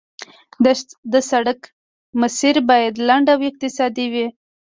د سړک مسیر باید لنډ او اقتصادي وي